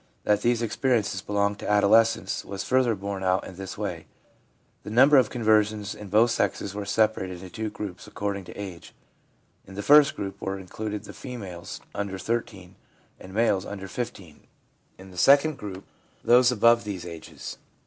That these experiences belong to adolescence was further borne out in this way : the number of conversions in both sexes were separated into two groups according to age ; in the first group were included the females under 13 and the males under 15 ; in the second group, those 366 THE PSYCHOLOGY OF RELIGION above these ages.